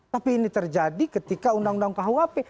tapi ini terjadi ketika undang undang kuhp